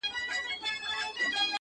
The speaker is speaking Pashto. اوس یې شیخان و آینې ته پر سجده پرېوزي -